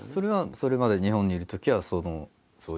それまで日本にいるときはそのそういう。